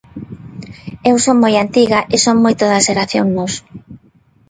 Eu son moi antiga e son moito da Xeración Nós.